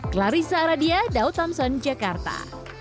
clarissa aradia daud thompson jakarta